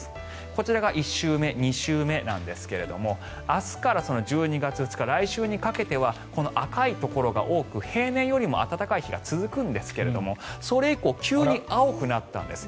こちらが１週目、２週目ですが明日から１２月２日来週にかけてはこの赤いところが多く平年よりも暖かい日が続くんですけれどもそれ以降急に青くなったんです。